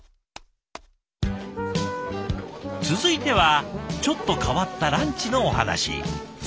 続いてはちょっと変わったランチのお話。